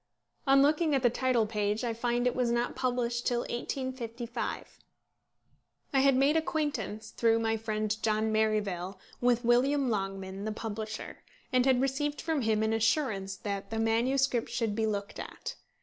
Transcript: On looking at the title page, I find it was not published till 1855. I had made acquaintance, through my friend John Merivale, with William Longman the publisher, and had received from him an assurance that the manuscript should be "looked at."